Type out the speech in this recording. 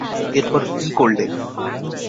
এরপর কী করলে?